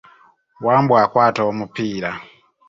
Wambwa akwata omupiira.